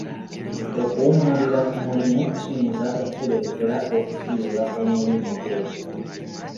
Okuwummulira ku mulimu kiyinza okuletera okufirwa omulimu gwo.